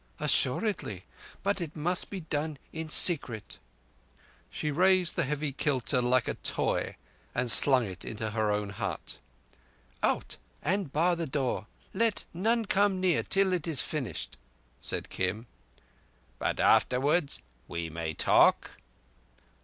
"Assuredly. But it must be done in secret." She raised the heavy kilta like a toy and slung it into her own hut. "Out and bar the door! Let none come near till it is finished," said Kim. "But afterwards—we may talk?"